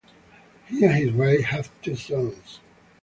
He and his wife had two sons.